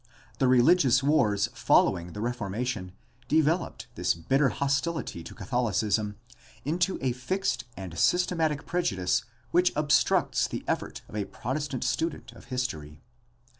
The religious wars following the Reformation developed this bitter hostility to Catholicism into a fixed and systematic prejudice which obstructs the effort of a Protestant student of history.